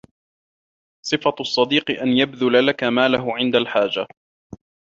صِفَةُ الصَّدِيقِ أَنْ يَبْذُلَ لَك مَالَهُ عِنْدَ الْحَاجَةِ